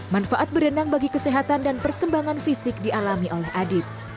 manfaat berenang bagi kesehatan dan perkembangan fisik dialami oleh adit